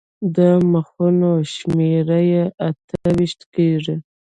د مخونو شمېره یې اته ویشت کېږي.